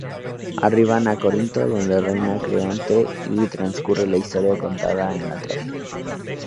Arriban a Corinto, donde reina Creonte y transcurre la historia contada en la tragedia.